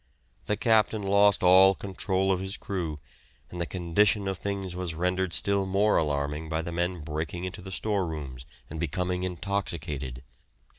The captain lost all control of his crew, and the condition of things was rendered still more alarming by the men breaking into the storerooms and becoming intoxicated.